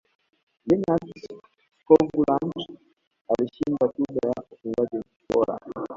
lennart skoglund alishinda tuzo ya ufungaji bora